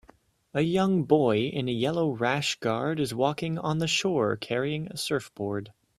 A young boy in a yellow rash guard is walking on the shore carrying a surfboard